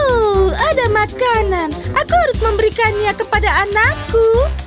oh ada makanan aku harus memberikannya kepada anakku